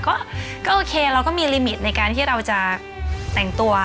ก็โอเคเราก็มีลิมิตในการที่เราจะแต่งตัว